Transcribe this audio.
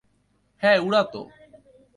হ্যাঁ, উড়াতো।